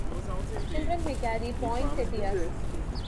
Children may carry poinsettias.